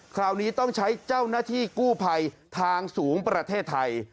คราวนี้ต้องใช้เจ้าหน้าที่กู้ภัยทางสูงประเทศไทย